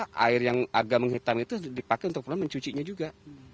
mungkin terpaksa air yang agak menghitam itu dipakai untuk mencuci juga